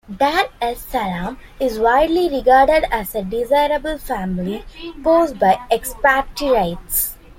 Dar es Salaam is widely regarded as a desirable family post by expatriates.